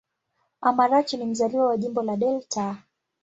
Amarachi ni mzaliwa wa Jimbo la Delta.